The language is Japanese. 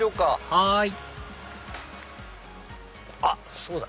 はいあっそうだ！